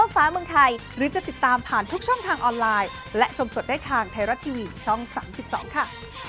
คุณผู้ชมค่ะสาธุกับพี่ยิ่งโยแล้วก็พี่สมจิตด้วยนะคะ